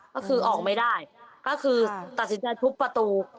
ก็คือออกไม่ได้ก็คือตัดสินใจทุบประตู